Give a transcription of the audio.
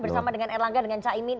dengan erlangga dengan caimin